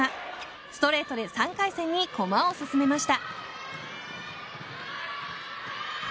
ストレートで３回戦に駒を進めました。